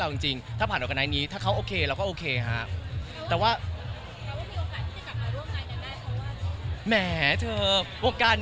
ร่วมงานได้จ่ายเงินก่อนก็แล้วกัน